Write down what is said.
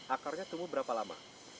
akarnya tumbuh berapa lama